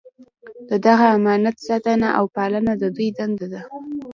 د دغه امانت ساتنه او پالنه د دوی دنده ده.